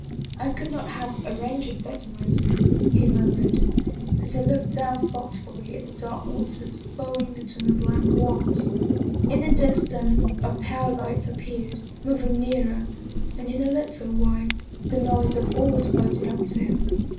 " I could not have arranged it better myself," he mur mured, as he looked down thoughtfully at the dark waters 50 Paul Heyse flowing between the blank walls. In the distance a pale light appeared, moving nearer, and in a little while the noise of oars floated up to him.